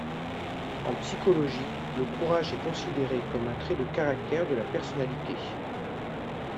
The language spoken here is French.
En psychologie, le courage est considéré comme un trait de caractère de la personnalité.